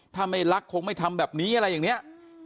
ถ้าไม่รักคงไม่ทำแบบนี้อะไรอย่างนี้